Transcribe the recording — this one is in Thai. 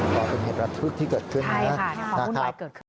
ต่อเป็นเหตุรักษณ์ทุกข์ที่เกิดขึ้นนะคะนะครับใช่ค่ะของหุ่นวายเกิดขึ้น